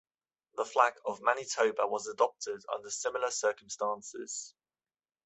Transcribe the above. The flag of Manitoba was adopted under similar circumstances.